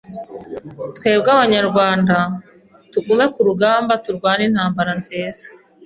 twebwe Abanyarwanda. Tugume ku rugamba, turwane intambara nziza